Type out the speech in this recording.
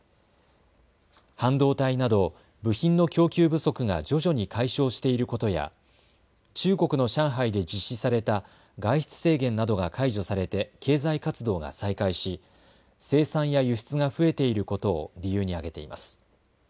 半導体など部品の供給不足が徐々に解消していることや中国の上海で実施された外出制限などが解除されて経済活動が再開し生産や輸出が増えていることを理由に挙げています。